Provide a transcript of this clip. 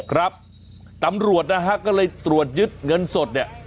ครับตำรวจนะฮะก็เลยตรวจยึดเงินสดเนี่ย